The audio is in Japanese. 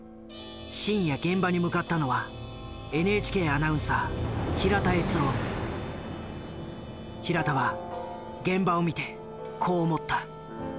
深夜現場に向かったのは平田は現場を見てこう思った。